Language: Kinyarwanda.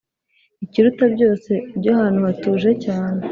Ikiruta byose ujye ahantu hatuje cyane